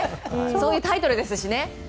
そういうタイトルですしね。